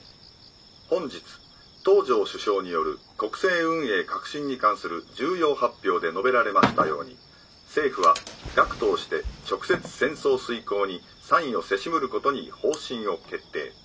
「本日東条首相による国政運営革新に関する重要発表で述べられましたように政府は学徒をして直接戦争遂行に参与せしむる事に方針を決定。